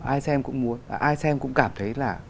ai xem cũng muốn ai xem cũng cảm thấy là